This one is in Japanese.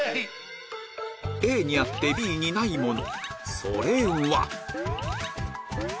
ＡにあってＢにないもの